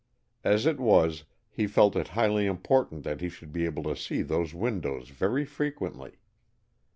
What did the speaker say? As it was, he felt it highly important that he should be able to see those windows very frequently.